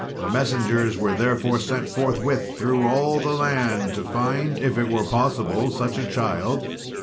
Messengers were therefore sent forthwith through all the land to find, if it were possible, such a child.